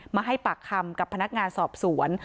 มาให้ปากคำกับพนักงานสอบสวน